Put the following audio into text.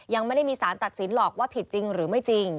ยังไม่ได้มีสารตัดสินหรอกว่าผิดจริงหรือไม่จริง